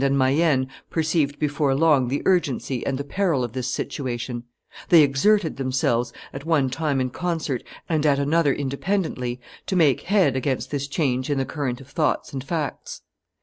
and Mayenne perceived before long the urgency and the peril of this situation: they exerted themselves, at one time in concert and at another independently, to make head against this change in the current of thoughts and facts.